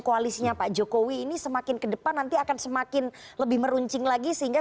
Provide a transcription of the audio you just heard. koalisinya pak jokowi ini semakin ke depan nanti akan semakin lebih meruncing lagi sehingga